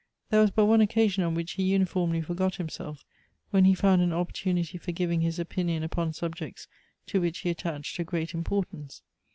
There was but one occasion on which he uniformly forgot himself — when he found an opportunity for giving his opinion upon subjects to which he attached a great importance.